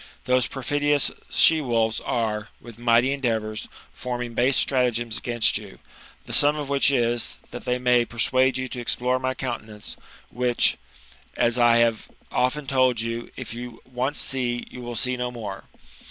Those perfidious she wolves are, with mighty endeavours, forming base stratagems against you, the sum of which is, that they may persuade you to explore my countenance, which, as I have often told you, if you see once, you will see no more.